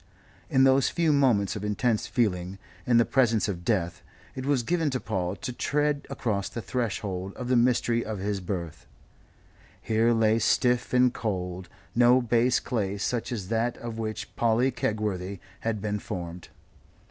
In those few moments of intense feeling, in the presence of death, it was given to Paul to tread across the threshold of the mystery of his birth. Here lay stiff and cold no base clay such as that of which Polly Kegworthy had been formed.